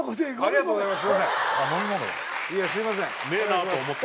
ありがとうございます。